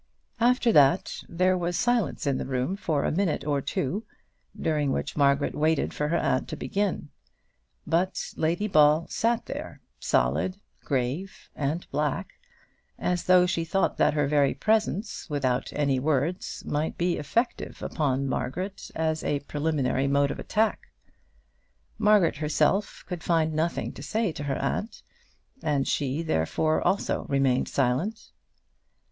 After that there was silence in the room for a minute or two, during which Margaret waited for her aunt to begin; but Lady Ball sat there solid, grave, and black, as though she thought that her very presence, without any words, might be effective upon Margaret as a preliminary mode of attack. Margaret herself could find nothing to say to her aunt, and she, therefore, also remained silent.